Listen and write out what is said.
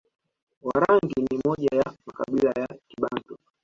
Warangi ni moja ya makabila ya Kibantu